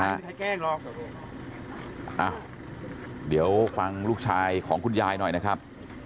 อ้าวเดี๋ยวฟังลูกชายของคุณยายหน่อยนะครับ